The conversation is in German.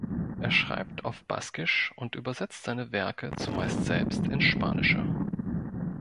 Er schreibt auf Baskisch und übersetzt seine Werke zumeist selbst ins Spanische.